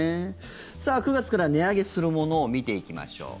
さあ、９月から値上げするものを見ていきましょう。